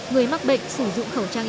người mắc bệnh sử dụng khẩu trang